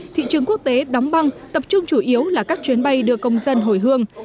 thị trường quốc tế đóng băng tập trung chủ yếu là các chuyến bay đưa công dân hồi hương